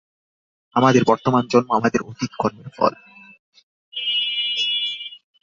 আমাদের বর্তমান জন্ম আমাদের অতীত কর্মের ফল।